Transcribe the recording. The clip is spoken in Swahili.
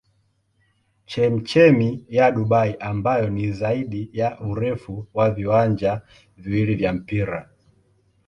Chemchemi ya Dubai ambayo ni zaidi ya urefu wa viwanja viwili vya mpira.